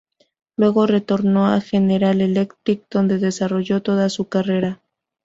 Luego retornó a General Electric, donde desarrolló toda su carrera.